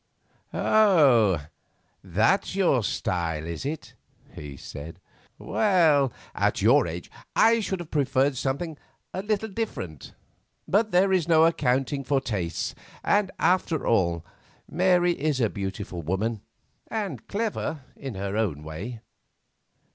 "Oh! that's your style, is it?" he said. "Well, at your age I should have preferred something a little different. But there is no accounting for tastes; and after all, Mary is a beautiful woman, and clever in her own way.